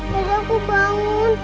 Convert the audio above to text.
dada aku bangun